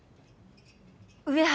上原